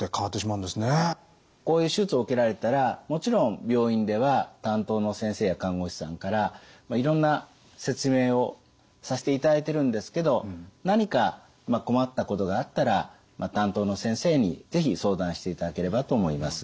こういう手術を受けられたらもちろん病院では担当の先生や看護師さんからいろんな説明をさせていただいてるんですけど何か困ったことがあったら担当の先生に是非相談していただければと思います。